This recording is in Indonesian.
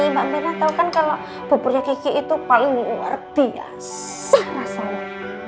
mbak mira tahu kan kalau buburnya kiki itu paling luar biasa rasanya